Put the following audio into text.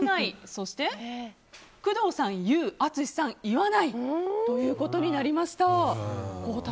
そして、工藤さん、言う淳さん、言わないということになりました。